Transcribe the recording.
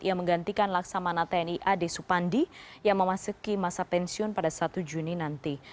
ia menggantikan laksamana tni ad supandi yang memasuki masa pensiun pada satu juni nanti